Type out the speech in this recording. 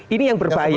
ini yang berbahaya